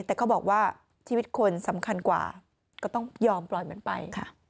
แต่เขาบอกว่าชีวิตคนสำคัญกว่าก็ต้องยอมปล่อยมันไปค่ะ